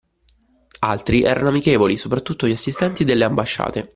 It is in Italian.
Altri erano amichevoli, soprattutto gli assistenti delle ambasciate